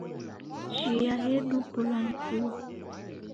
Chia yedumbulwa ni vua